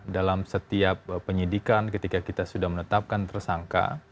dalam setiap penyidikan ketika kita sudah menetapkan tersangka